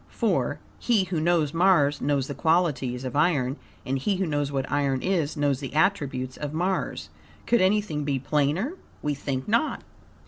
for, "he who knows Mars knows the qualities of iron, and he who knows what iron is knows the attributes of Mars." Could anything be plainer? We think not.